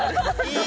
いい！